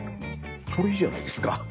それいいじゃないですか。